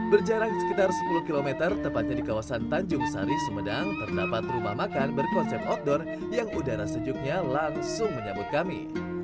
berjarak sekitar sepuluh km tepatnya di kawasan tanjung sari sumedang terdapat rumah makan berkonsep outdoor yang udara sejuknya langsung menyambut kami